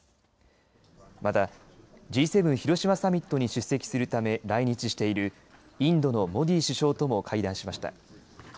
また、Ｇ７広島サミットに出席するため来日しているインドのモディ首相とも会談しました。